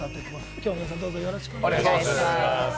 今日も皆さん、どうぞよろしくお願いします。